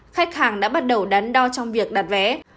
khách hàng đã bắt đầu đắn đo trong việc đặt vé